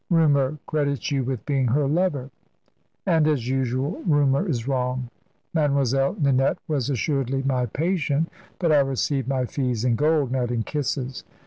"Rumour credits you with being her lover." "And, as usual, rumour is wrong. Mademoiselle Ninette was assuredly my patient, but I received my fees in gold, not in kisses.